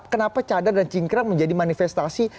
kenapa cadar dan cingkrang menjadi manifestasi